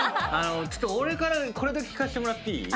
ちょっと俺からこれだけ聞かせてもらっていい？